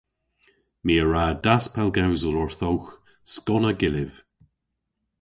My a wra daspellgewsel orthowgh skonna gylliv.